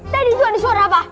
tadi itu ada suara apa